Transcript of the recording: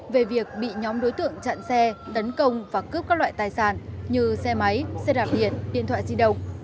về việc bị nhóm đối tượng chặn xe tấn công và cướp các loại tài sản như xe máy xe đạp điện điện thoại di động